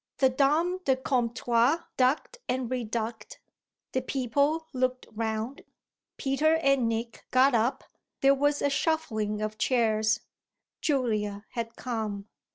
The dame de comptoir ducked and re ducked, the people looked round, Peter and Nick got up, there was a shuffling of chairs Julia had come.